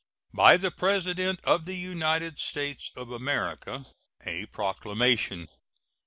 BY THE PRESIDENT OF THE UNITED STATES OF AMERICA. A PROCLAMATION.